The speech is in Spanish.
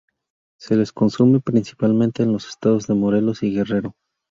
Se les consume principalmente en los estados de Morelos y Guerrero.